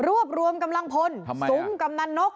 รวบรวมกำลังพลซุ้มกำนันนก